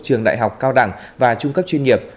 trường đại học cao đẳng và trung cấp chuyên nghiệp